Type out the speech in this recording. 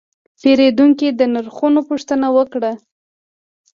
پیرودونکی د نرخونو پوښتنه وکړه.